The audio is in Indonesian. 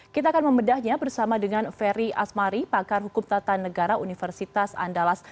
kita akan membedahnya bersama dengan ferry asmari pakar hukum tata negara universitas andalas